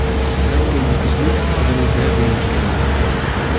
Seitdem hat sich nichts, oder nur sehr wenig, geändert.